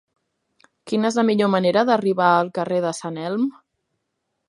Quina és la millor manera d'arribar al carrer de Sant Elm?